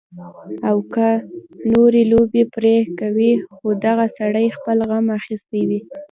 او کۀ نورې لوبې پرې کوي خو دغه سړے خپل غم اخستے وي